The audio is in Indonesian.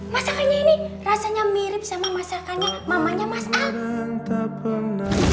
masakannya ini rasanya mirip sama masakannya mamanya mas al